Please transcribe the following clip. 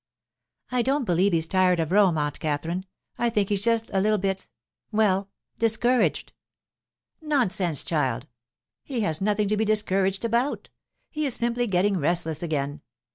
'I don't believe he's tired of Rome, Aunt Katherine. I think he's just a little bit—well, discouraged.' 'Nonsense, child! he has nothing to be discouraged about; he is simply getting restless again.